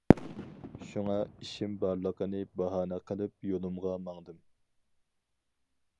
شۇڭا ئىشىم بارلىقىنى باھانە قىلىپ يولۇمغا ماڭدىم.